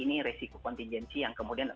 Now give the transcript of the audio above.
ini resiko kontingensi yang kemudian